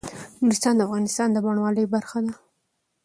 نورستان د افغانستان د بڼوالۍ برخه ده.